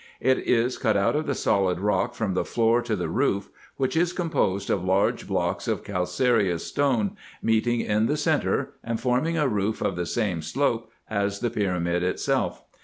It is cut out of the solid rock from the floor to the roof, which is composed of large blocks of calcareous stone, meeting in the centre, and forming a roof of the same slope as the pyramid itself.